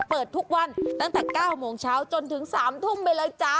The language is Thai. เปิดทุกวันตั้งแต่๙โมงเช้าจนถึง๓ทุ่มไปเลยจ้า